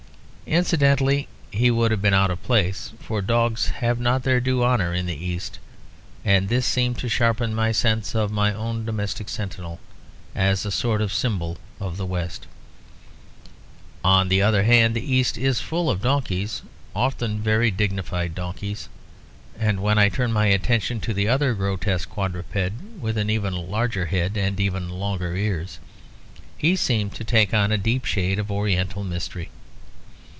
Incidentally, he would have been out of place; for dogs have not their due honour in the East; and this seemed to sharpen my sense of my own domestic sentinel as a sort of symbol of the West. On the other hand, the East is full of donkeys, often very dignified donkeys; and when I turned my attention to the other grotesque quadruped, with an even larger head and even longer ears, he seemed to take on a deep shade of oriental mystery.